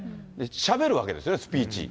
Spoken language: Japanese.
しゃべるわけですよね、スピーチ。